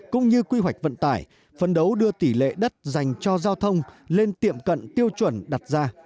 cũng như quy hoạch vận tải phân đấu đưa tỷ lệ đất dành cho giao thông lên tiệm cận tiêu chuẩn đặt ra